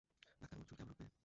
Doctor, ওর চুল কী আবার উঠবে?